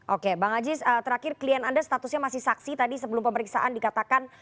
oke bang aziz terakhir klien anda statusnya masih saksi tadi sebelum pemeriksaan dikatakan